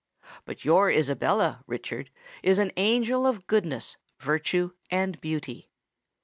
But your Isabella, Richard, is an angel of goodness, virtue, and beauty!"